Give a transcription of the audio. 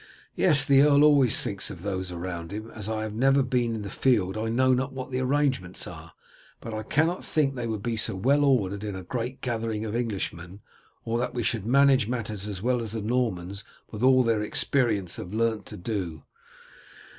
"Yes, the earl always thinks of those around him. As I have never been in the field I know not what the arrangements are, but I cannot think they would be so well ordered in a great gathering of Englishmen, or that we should manage matters as well as the Normans with all their experience have learnt to do."